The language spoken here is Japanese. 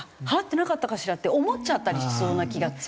払ってなかったかしら？って思っちゃったりしそうな気が。